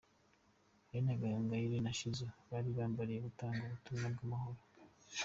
Aline Gahongayire na Shizzo bari bambariye gutanga ubutumwa bw'amahoro.